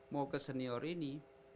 mau ke senior ini